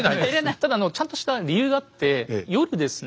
ただちゃんとした理由があって夜ですね